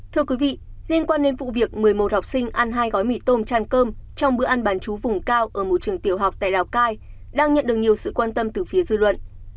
thưa quý vị liên quan đến vụ việc một mươi một học sinh ăn hai gói mì tôm chăn cơm trong bữa ăn bán chú vùng cao ở một trường tiểu học tại lào cai đang nhận được nhiều sự quan tâm từ phía dư luận